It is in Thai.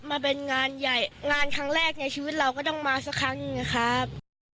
มาเป็นงานทั้งแรกในชีวิตเราก็ต้องมาสักครั้งนะครับ